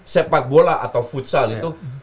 sepak bola atau futsal itu